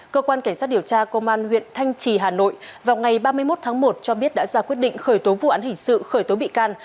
cơ quan cảnh sát điều tra công an huyện thanh trì hà nội vào ngày ba mươi một tháng một cho biết đã ra quyết định khởi tố vụ án hình sự khởi tố bị can